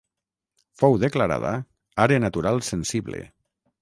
Fou declarada àrea natural sensible.